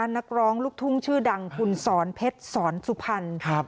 นักร้องลูกทุ่งชื่อดังคุณสอนเพชรสอนสุพรรณ